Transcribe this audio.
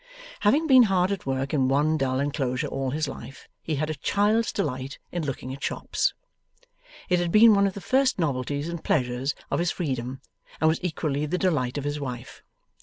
Having been hard at work in one dull enclosure all his life, he had a child's delight in looking at shops. It had been one of the first novelties and pleasures of his freedom, and was equally the delight of his wife.